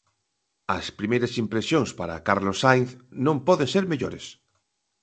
As primeiras impresións, para Carlos Sainz, non poden ser mellores.